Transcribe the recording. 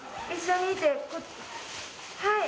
はい。